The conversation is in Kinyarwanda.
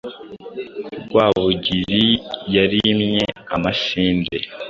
Rwabugili yarimye amasinde,